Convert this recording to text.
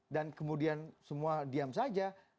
dan kemudian semua diam saja